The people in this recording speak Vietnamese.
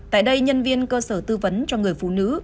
tại đây nhân viên cơ sở tư vấn cho người phụ nữ